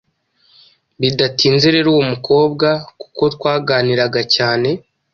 Bidatinze rero uwo mukobwa kuko twaganiraga cyane